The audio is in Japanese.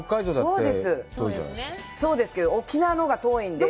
そうですけど、沖縄のほうが遠いので。